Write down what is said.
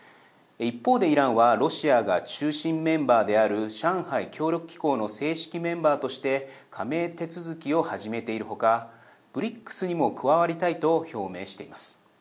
一方でイランはロシアが中心メンバーである上海協力機構の正式メンバーとして加盟手続きを始めているほかＢＲＩＣＳにも加わりたいと表明しています。